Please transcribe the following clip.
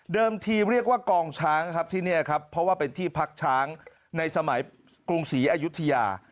ทีเรียกว่ากองช้างครับที่นี่ครับเพราะว่าเป็นที่พักช้างในสมัยกรุงศรีอายุทยา